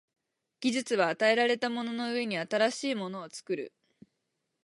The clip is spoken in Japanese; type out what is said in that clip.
技術は与えられたものの上に新しいものを作る。